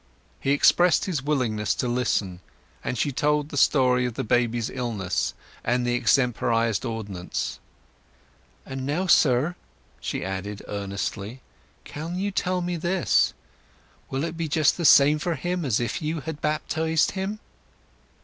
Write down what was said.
He expressed his willingness to listen, and she told the story of the baby's illness and the extemporized ordinance. "And now, sir," she added earnestly, "can you tell me this—will it be just the same for him as if you had baptized him?"